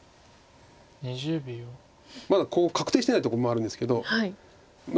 まだ確定してないとこもあるんですけど。